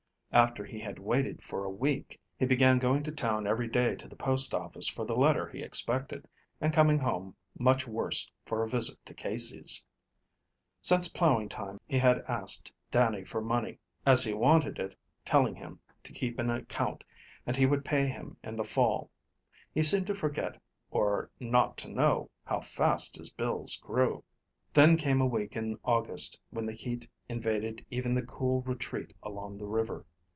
After he had waited for a week, he began going to town every day to the post office for the letter he expected, and coming home much worse for a visit to Casey's. Since plowing time he had asked Dannie for money as he wanted it, telling him to keep an account, and he would pay him in the fall. He seemed to forget or not to know how fast his bills grew. Then came a week in August when the heat invaded even the cool retreat along the river.